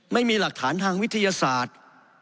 ไม่มีหลักฐานทางวิทยาศาสตร์